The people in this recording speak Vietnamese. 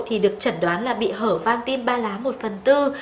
thì được chẩn đoán là bị hở van tim ba lá một phần tư